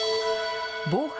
防犯